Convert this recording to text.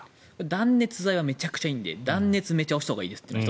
断熱材はめちゃくちゃいいので断熱、めっちゃ推したほうがいい。